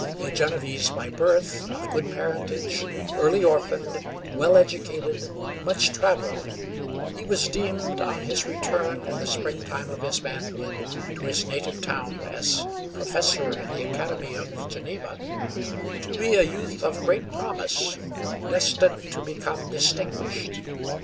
A Genevese by birth, of good parentage, early orphaned, well educated, much traveled, he was deemed, on his return in the springtime of his manhood to his native town as professor in the Academy of Geneva, to be a youth of great promise, destined to become distinguished.